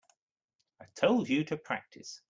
I told you to practice.